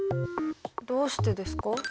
どうしてですか？